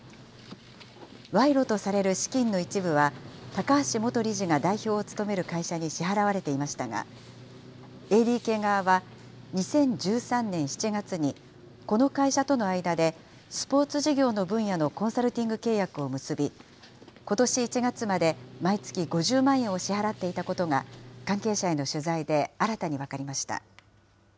賄賂とされる資金の一部は、高橋元理事が代表を務める会社に支払われていましたが、ＡＤＫ側は２０１３年７月に、この会社との間で、スポーツ事業の分野のコンサルティング契約を結び、ことし１月まで毎月５０万円を支払っていたことが、関係者への取材で新たに分かりました。